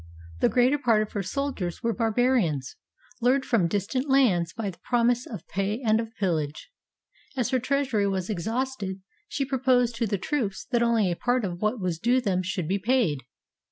The greater part of her soldiers were barbarians, lured from distant lands by the promise of pay and of pillage. As her treasury was exhausted, she proposed to the troops that only a part of what was due them should be paid.